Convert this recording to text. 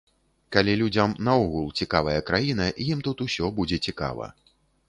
Калі людзям наогул цікавая краіна, ім тут усё будзе цікава.